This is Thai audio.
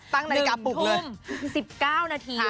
๑ทุ่ม๑๙นาที